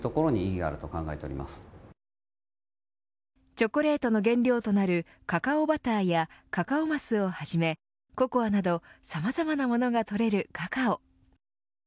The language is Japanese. チョコレートの原料となるカカオバターやカカオマスをはじめココアなどさまざまなもとが採れるカカオ。